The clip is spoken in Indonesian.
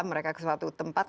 mereka ke suatu tempat